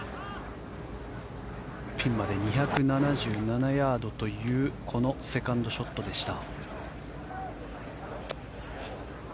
ピンまで２７７ヤードというこのセカンドショットでした。